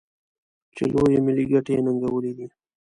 چې لویې ملي ګټې یې ننګولي دي.